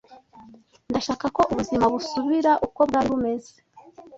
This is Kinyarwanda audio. Ndashaka ko ubuzima busubira uko bwari bumeze.